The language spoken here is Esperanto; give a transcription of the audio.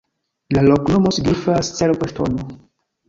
La loknomo signifas: cervo-ŝtono.